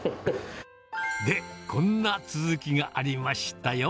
で、こんな続きがありました